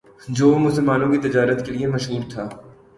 جو مسالوں کی تجارت کے لیے مشہور تھا